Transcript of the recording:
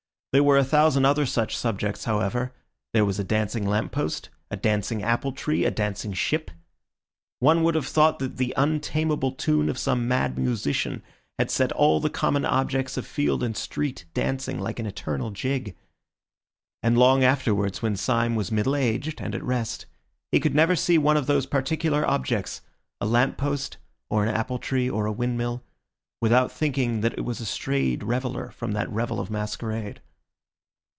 There were a thousand other such objects, however. There was a dancing lamp post, a dancing apple tree, a dancing ship. One would have thought that the untamable tune of some mad musician had set all the common objects of field and street dancing an eternal jig. And long afterwards, when Syme was middle aged and at rest, he could never see one of those particular objects—a lamppost, or an apple tree, or a windmill—without thinking that it was a strayed reveller from that revel of masquerade.